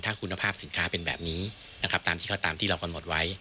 ถ้าคุณภาพสินค้าเป็นแบบนี้นะครับตามที่เขาตามที่เรากำหนดไว้